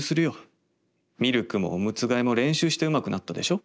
ミルクもオムツ替えも練習してうまくなったでしょ』